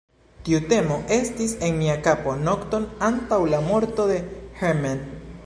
Tiu temo estis en mia kapo nokton antaŭ la morto de Hermann.